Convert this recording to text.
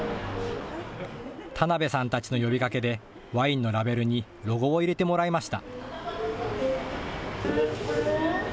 田鍋さんたちの呼びかけでワインのラベルにロゴを入れてもらいました。